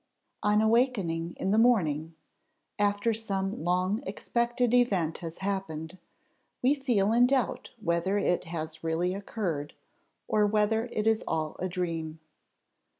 On awaking in the morning, after some long expected event has happened, we feel in doubt whether it has really occurred, or whether it is all a dream.